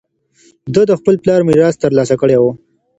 ده د خپل پلار میراث ترلاسه کړی و